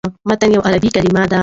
متن یوه عربي کلمه ده.